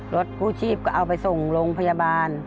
รถกู้ชีพก็เอาไปส่งโรงพยาบาล